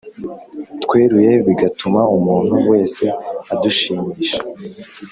tweruye bigatuma umuntu wese adushimisha